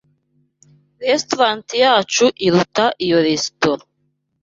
Restaurant yacu iruta iyo resitora.